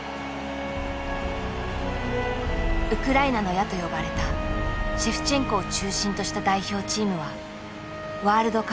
「ウクライナの矢」と呼ばれたシェフチェンコを中心とした代表チームはワールドカップ初出場を果たす。